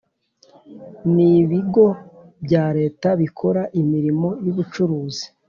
N ibigo bya leta bikora imirimo y ubucuruzi